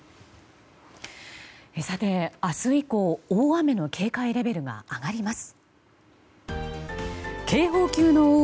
さて、明日以降大雨の警戒レベルが上がります。